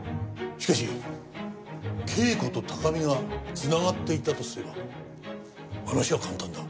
しかし啓子と高見が繋がっていたとすれば話は簡単だ。